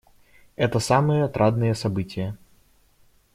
Это самые отрадные события.